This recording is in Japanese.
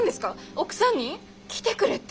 奥さんに！？来てくれって！？